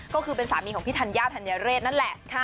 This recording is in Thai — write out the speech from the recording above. ก็คือเป็นสามีของพี่ธัญญาธัญเรศนั่นแหละ